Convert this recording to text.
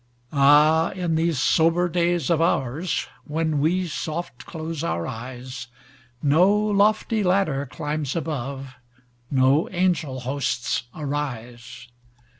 Ah, in these sober days of oursWhen we soft close our eyes, No lofty ladder climbs above, No angel hosts arise.